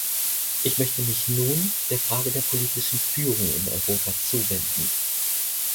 Ich möchte mich nun der Frage der politischen Führung in Europa zuwenden.